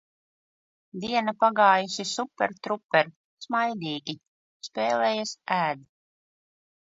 Diena pagājusi super truper - smaidīgi, spēlējas, ēd.